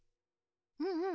うんうん。